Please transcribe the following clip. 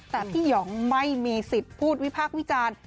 แต่พี่หองไม่มีสิทธิ์พูดวิพากษ์วิจารณ์